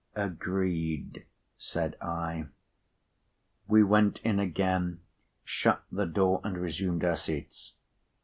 "Agreed," said I. We went in again, shut the door, and resumed our seats.